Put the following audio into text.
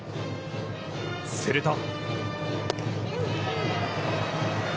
すると。